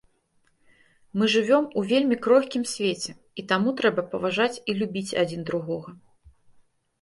Мы жывём у вельмі крохкім свеце, і таму трэба паважаць і любіць адзін другога.